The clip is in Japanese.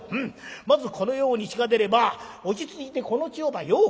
まずこのように血が出れば落ち着いてこの血をばよく拭き取る。